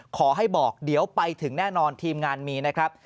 ขอให้บอกเดี๋ยวไปถึงแน่นอนทีมงานมีนะครับ